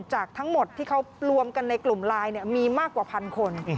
จากทั้งหมดที่เขารวมกันในกลุ่มไลน์มีมากกว่าพันคน